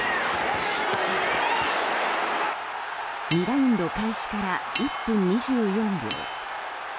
２ラウンド開始から１分２４秒。